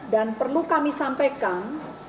dan perlu kami sampaikan